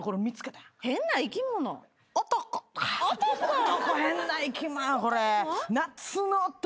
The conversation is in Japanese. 男変な生き物や。